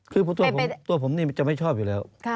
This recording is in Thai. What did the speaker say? คือตัวผมจะไม่ชอบอยู่แล้ว